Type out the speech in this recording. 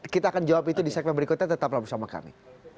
kita akan jawab itu di segmen berikutnya tetaplah bersama kami